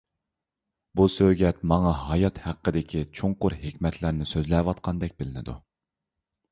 بۇ سۆگەت ماڭا ھايات ھەققىدىكى چوڭقۇر ھېكمەتلەرنى سۆزلەۋاتقاندەك بىلىنىدۇ.